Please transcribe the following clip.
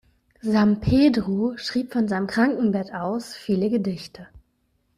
Sampedro schrieb von seinem Krankenbett aus viele Gedichte.